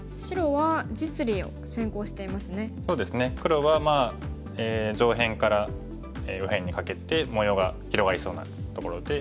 黒は上辺から右辺にかけて模様が広がりそうなところで。